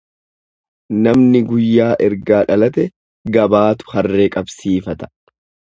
Namni guyyaa ergaa dhalate gabaatu harree qabsiifata.